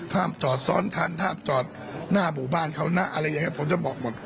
ห้ามจอดซ้อนคันห้ามจอดหน้าหมู่บ้านเขานะอะไรอย่างนี้ผมจะบอกหมด